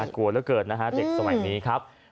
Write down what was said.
มากลัวแล้วเกิดนะฮะเด็กสมัยนี้ครับ